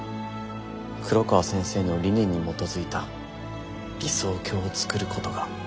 黒川先生の理念に基づいた理想郷をつくることが私の償いでした。